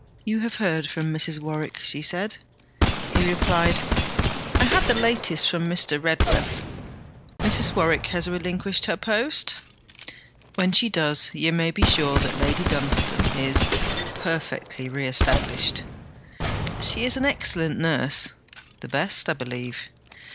'You have heard from Mrs. Warwick?' she said. He replied, 'I had the latest from Mr. Redworth.' 'Mrs. Warwick has relinquished her post?' 'When she does, you may be sure that Lady Dunstane is, perfectly reestablished.' 'She is an excellent nurse.' 'The best, I believe.'